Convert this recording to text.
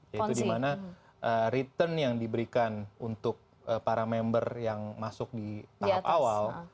yaitu dimana return yang diberikan untuk para member yang masuk di tahap awal